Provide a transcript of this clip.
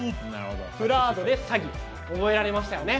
ｆｒａｕｄで詐欺覚えられましたよね。